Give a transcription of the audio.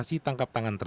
tidak ada yang dianggap